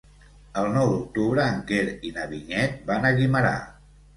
El nou d'octubre en Quer i na Vinyet van a Guimerà.